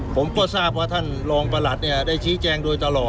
ผมก็ทราบว่าท่านรองประหลัดได้ชี้แจง